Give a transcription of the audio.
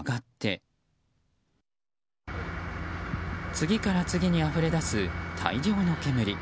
次から次にあふれ出す大量の煙。